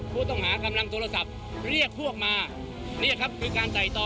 และน่าที่ดูคนวิการเนี่ยนะว่ามันเป็น